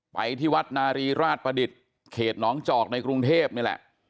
ไปที่วัดนารีราชประดิษฐ์เขตน้องจอกในกรุงเทพนี่แหละ